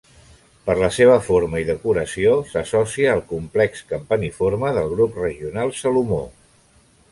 Per la seva forma i decoració, s’associa al complex campaniforme del grup regional Salomó.